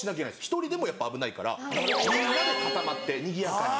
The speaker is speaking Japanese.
１人でもやっぱ危ないからみんなで固まってにぎやかに。